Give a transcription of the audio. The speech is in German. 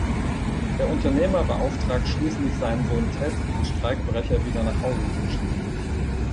Der Unternehmer beauftragt schließlich seinen Sohn Ted, die Streikbrecher wieder nach Hause zu schicken.